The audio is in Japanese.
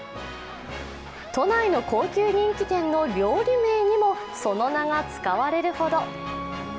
都内の高級人気店の料理名にもその名が使われるほど。